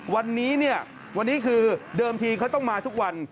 วันนี้เนี่ยวันนี้คือเดิมทีเขาต้องมาทุกวัน